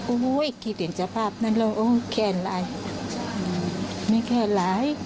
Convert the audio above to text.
อุ้ยคิดเห็นสภาพนั้นแล้วโอ้แขนหลายอืมไม่แขนหลาย